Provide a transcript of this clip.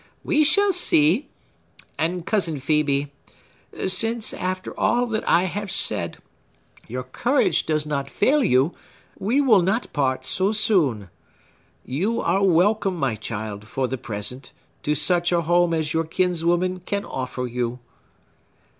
We shall see. And, Cousin Phœbe, since, after all that I have said, your courage does not fail you, we will not part so soon. You are welcome, my child, for the present, to such a home as your kinswoman can offer you."